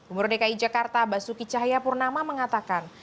umur dki jakarta basuki cahaya purnama mengatakan